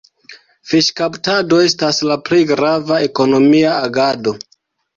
Fiŝkaptado estas la plej grava ekonomia agado.